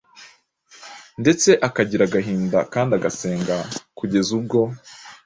ndetse akagira agahinda kandi agasenga, kugeza ubwo,